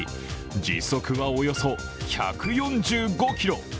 時速はおよそ１４５キロ！